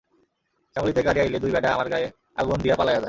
শ্যামলীতে গাড়ি আইলে দুই ব্যাডা আমার গায়ে আগুন দিয়া পালাইয়া যায়।